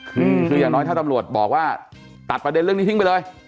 คือคืออย่างน้อยถ้าตำรวจบอกว่าตัดประเด็นเรื่องนี้ทิ้งไปเลย